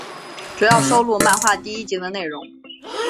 主要收录漫画第一集的内容。